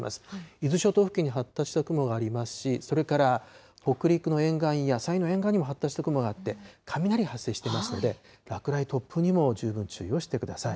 伊豆諸島付近に発達した雲がありますし、それから北陸の沿岸や山陰の沿岸でも発達した雲があって、雷が発生していますので、落雷や突風にも十分注意をしてください。